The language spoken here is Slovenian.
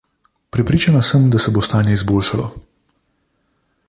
Prepričana sem, da se bo stanje izboljšalo.